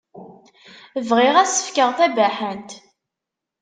Bɣiɣ ad s-fkeɣ tabaḥant.